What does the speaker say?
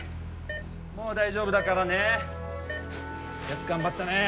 もう大丈夫だからねよく頑張ったね